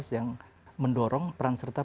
yang mendorong peran serta